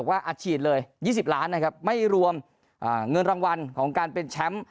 ว่าอัดฉีดเลย๒๐ล้านนะครับไม่รวมเงินรางวัลของการเป็นแชมป์